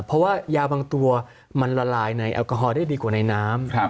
เพราะว่ายาบางตัวมันละลายในแอลกอฮอลได้ดีกว่าในน้ำ